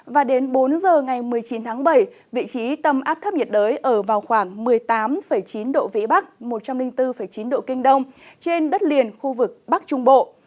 và đến bốn giờ ngày một mươi chín tháng bảy vị trí tâm áp thấp nhiệt đới ở vào khoảng một mươi tám chín độ vĩ bắc một trăm linh bốn chín độ kinh đông trên đất liền khu vực bắc trung bộ